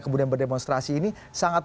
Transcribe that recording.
kemudian berdemonstrasi ini sangat